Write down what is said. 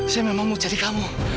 saya memang mau cari kamu